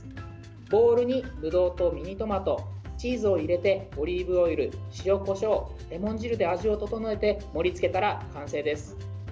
ボウルにぶどうとミニトマトチーズを入れてオリーブオイル、塩、こしょうレモン汁で味を調えて盛り付けたら完成です。